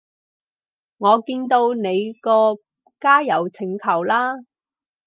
我見到你個加友請求啦